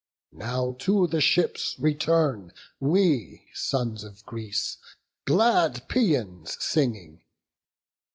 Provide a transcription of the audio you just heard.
Now to the ships return we, sons of Greece, Glad paeans singing!